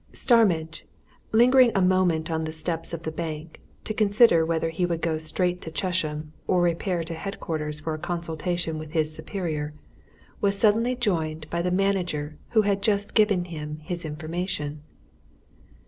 Starmidge, lingering a moment on the steps of the bank to consider whether he would go straight to Chesham or repair to headquarters for a consultation with his superior, was suddenly joined by the manager who had just given him his information.